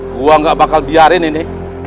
gua gak bakal biarin ini